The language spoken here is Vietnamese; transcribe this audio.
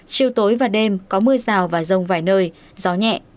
chiều tối và đêm có mưa rào và rông vài nơi gió nhẹ